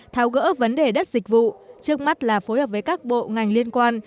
tháo gỡ vấn đề đất dịch vụ trước mắt là phối hợp với các bộ ngành liên quan